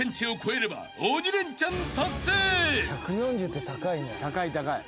１４０って高い。